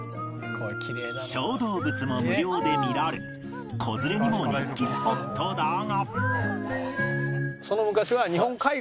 小動物も無料で見られ子連れにも人気スポットだが